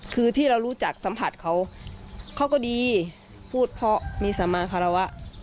คือที่เรารู้จักสัมผัสเขาเขาก็ดีพูดเพราะมีสมาคารวะ